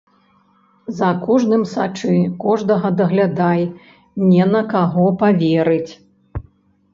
За кожным сачы, кожнага даглядай, не на каго паверыць!